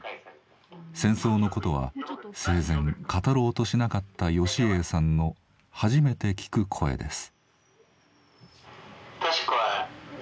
戦争のことは生前語ろうとしなかった芳英さんの初めて聞く声です。